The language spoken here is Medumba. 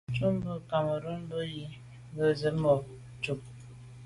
Cúp bú Cameroun mbə̄ bú yə́ jú zə̄ à' rə̂ ká mə́ cúp.